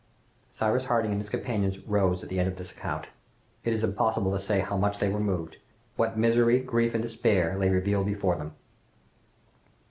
Cyrus Harding and his companions rose at the end of this account. It is impossible to say how much they were moved! What misery, grief, and despair lay revealed before them!